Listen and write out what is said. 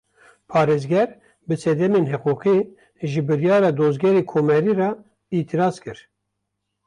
Parêzger, bi sedemên hiqûqî, ji biryara Dozgerê Komarî re îtiraz kir